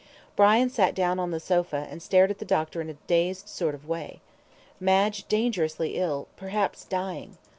Brian sat down on the sofa, and stared at the doctor in a dazed sort of way. Madge dangerously ill perhaps dying.